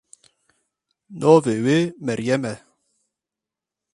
Navê wê Meryem e.